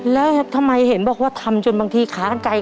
แล้วทำไมเห็นบอกว่าทำจนบางทีค้างไกล